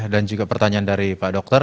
dan juga pertanyaan dari pak dokter